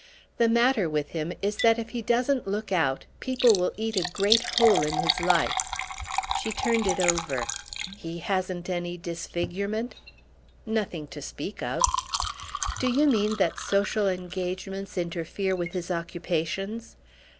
"The matter with him is that if he doesn't look out people will eat a great hole in his life." She turned it over. "He hasn't any disfigurement?" "Nothing to speak of!" "Do you mean that social engagements interfere with his occupations?"